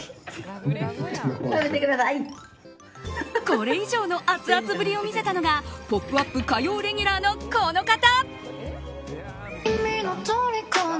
これ以上のアツアツぶりを見せたのが「ポップＵＰ！」火曜レギュラーのこの方！